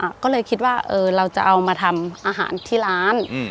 ก็เลยคิดว่าเออเราจะเอามาทำอาหารที่ร้านอืม